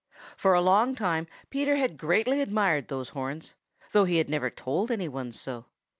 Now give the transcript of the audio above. For a long time Peter had greatly admired those horns, though he never had told any one so.